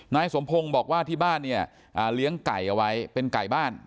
นายสมพงศ์บอกว่าที่บ้านเนี่ยเลี้ยงไก่เอาไว้เป็นไก่บ้าน